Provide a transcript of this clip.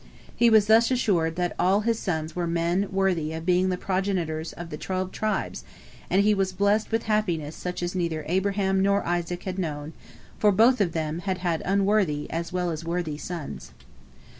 He was thus assured that all his sons were men worthy of being the progenitors of the twelve tribes, and he was blessed with happiness such as neither Abraham nor Isaac had known, for both of them had had unworthy as well as worthy sons.